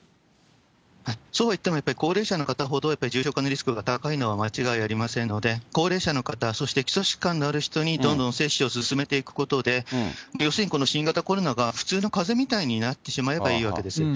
そうは言ってもやっぱり、高齢者の方ほどやっぱり重症化のリスクが高いのは間違いありませんので、高齢者の方、そして基礎疾患のある方にどんどん接種を進めていくことで、要するに、この新型コロナが普通のかぜみたいになってしまえばいいわけです。